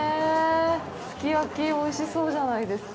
すき焼き、おいしそうじゃないですか？